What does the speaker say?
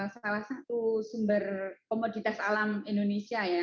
salah satu sumber komoditas alam indonesia ya